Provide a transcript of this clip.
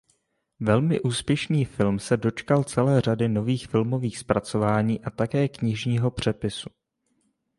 Velmi úspěšný film se dočkal celé řady nových filmových zpracování a také knižního přepisu.